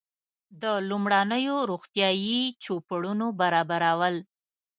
د لومړنیو روغتیایي چوپړونو برابرول.